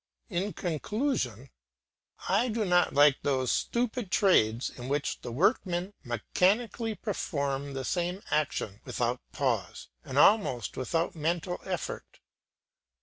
In conclusion, I do not like those stupid trades in which the workmen mechanically perform the same action without pause and almost without mental effort.